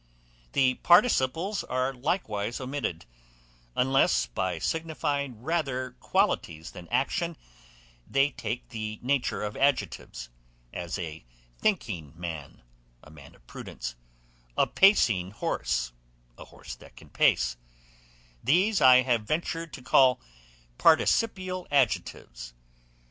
The participles are likewise omitted, unless, by signifying rather habit or quality than action, they take the nature of adjectives; as a thinking man, a man of prudence; a pacing horse, a horse that can pace: these I have ventured to call participial adjectives.